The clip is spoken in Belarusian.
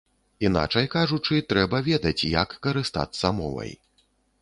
Іначай кажучы, трэба ведаць, як карыстацца мовай.